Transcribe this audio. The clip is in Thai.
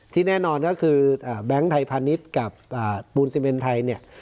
แน่นอนก็คือแบงค์ไทยพาณิชย์กับปูนซีเมนไทยเนี่ย